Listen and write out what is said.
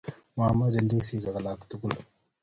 Mamache ndisik alak tugul